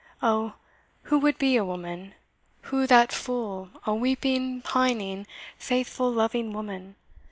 Oh, who would be a woman? who that fool, A weeping, pining, faithful, loving woman?